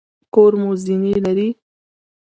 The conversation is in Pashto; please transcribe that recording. کور مو زینې لري؟